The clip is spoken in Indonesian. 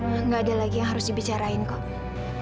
enggak ada lagi yang harus dibicarain kok